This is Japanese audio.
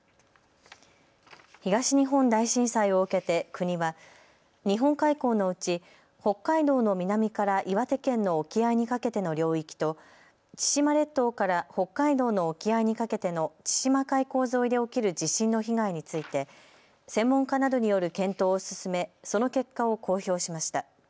東日本大震災を受けて国は日本海溝のうち北海道の南から岩手県の沖合にかけての領域と千島列島から北海道の沖合にかけての千島海溝沿いで起きる地震の被害について専門家などによる検討を進め、その結果を公表しました。